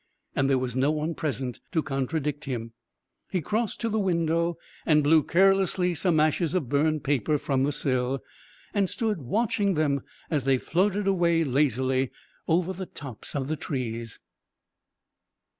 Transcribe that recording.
And there was no one present to contradict him. He crossed to the window and blew carelessly some ashes of burned paper from the sill, and stood watching them as they floated away lazily over the tops of the trees.